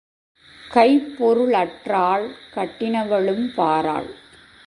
கைப்பொருளற்றால் கட்டினவளும் Baara.